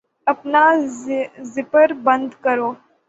اپنا زپر بند کرو